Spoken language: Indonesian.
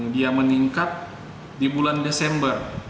dia meningkat di bulan desember